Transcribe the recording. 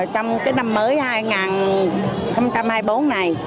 trong cái năm mới hai nghìn hai mươi bốn này